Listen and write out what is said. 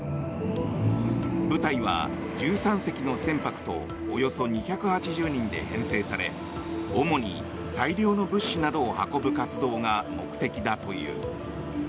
部隊は１３隻の船舶とおよそ２８０人で編成され主に大量の物資などを運ぶ活動が目的だという。